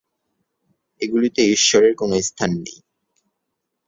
এগুলিতে ঈশ্বরের কোনো স্থান নেই।